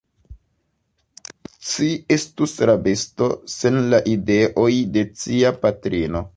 Ci estus rabisto, sen la ideoj de cia patrino.